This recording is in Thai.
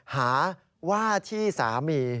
หาว่าที่สามี